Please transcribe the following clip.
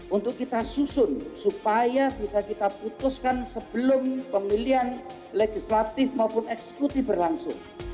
untuk kita susun supaya bisa kita putuskan sebelum pemilihan legislatif maupun eksekutif berlangsung